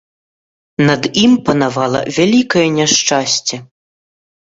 Над ім панавала вялікае няшчасце.